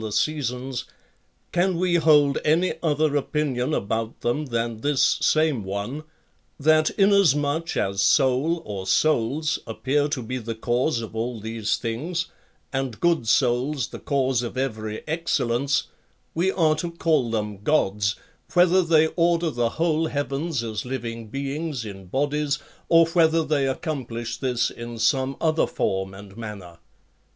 the seasons, can we hold any other opinion about them than this same one—that inasmuch as soul or souls appear to be the cause of all these things, and good souls the cause of every excellence, we are to call them gods, whether they order the whole heavens as living beings in bodies, or whether they accomplish this in some other form and manner?